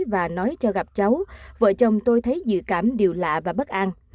và nói cho gặp cháu vợ chồng tôi thấy dự cảm điều lạ và bất an